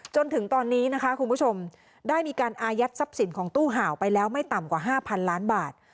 จนถึงตอนนี้นะคะคุณผู้ชมได้มีการอายัดทรัพย์สินของตู้ห่าวไปแล้วไม่ต่ำกว่า๕๐๐ล้านบาท